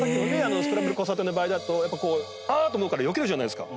スクランブル交差点の場合だとあっ！と思うからよけるじゃないですか。